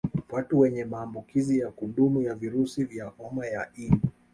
Watu wenye maambukizi ya kudumu ya virusi vya homa ya ini